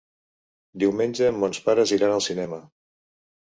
Diumenge mons pares iran al cinema.